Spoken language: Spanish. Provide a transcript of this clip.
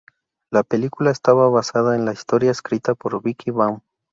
La película está basada en la historia escrita por Vicki Baum.